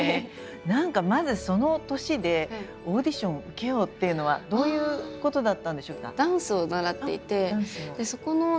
何かまずその年でオーディションを受けようっていうのはどういうことだったんでしょうか？